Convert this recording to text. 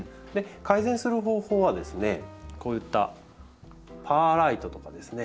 改善する方法はですねこういったパーライトとかですね